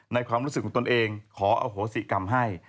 ความรู้สึกของตนเองขออโหสิกรรมให้